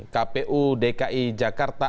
kpu dki jakarta